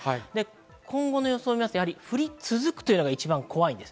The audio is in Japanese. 今後の予想を見ると降り続くというのが一番怖いです。